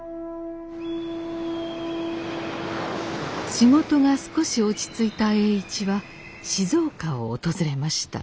仕事が少し落ち着いた栄一は静岡を訪れました。